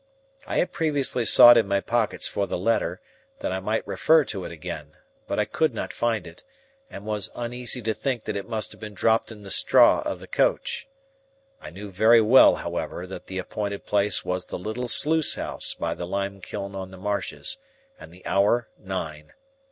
I had previously sought in my pockets for the letter, that I might refer to it again; but I could not find it, and was uneasy to think that it must have been dropped in the straw of the coach. I knew very well, however, that the appointed place was the little sluice house by the limekiln on the marshes, and the hour nine.